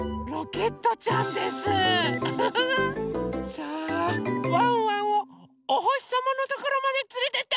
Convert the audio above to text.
さあワンワンをおほしさまのところまでつれてって！